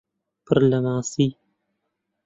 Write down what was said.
پڕ لە ماسی